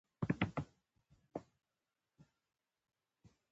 پکورې د یوه کوچني غم دوا ده